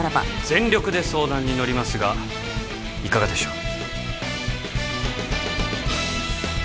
全力で相談に乗りますがいかがでしょう？